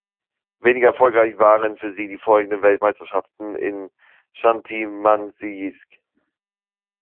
Weniger erfolgreich waren für sie die folgenden Weltmeisterschaften in Chanty-Mansijsk.